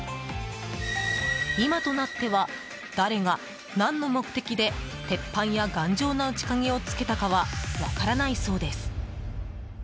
今となっては、誰が何の目的で鉄板や頑丈な内鍵を付けたかは分からないそうです。